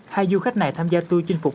hai du khách này tham gia tui chinh phục